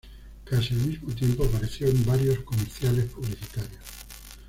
Casi al mismo tiempo, apareció en varios comerciales publicitarios.